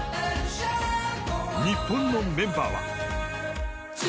日本のメンバーは。